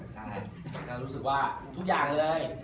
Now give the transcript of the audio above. ใช่ก็รู้สึกว่าทุกอย่างเลย